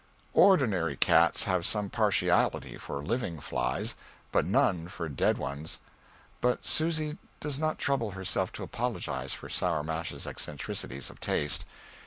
Ordinary cats have some partiality for living flies, but none for dead ones; but Susy does not trouble herself to apologize for Sour Mash's eccentricities of taste.